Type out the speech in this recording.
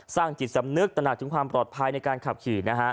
สร้างจิตสำนึกถนักถึงความปลอดภัยในการขาบขี่